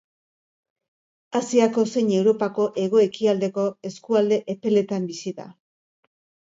Asiako zein Europako hego-ekialdeko eskualde epeletan bizi da.